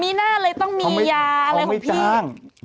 มีหน้าเลยต้องมียาอะไรของพี่